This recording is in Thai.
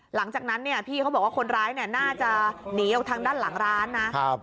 หลังจากนั้นพี่เขาบอกว่าคนร้ายน่าจะหนีออกทางด้านหลังร้านนะ